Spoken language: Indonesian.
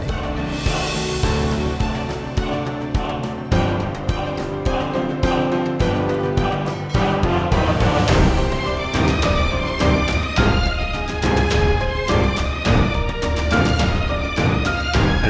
ceceng ini tamam sahaja